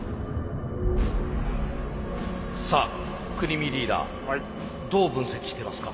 さあ國見リーダーどう分析してますか？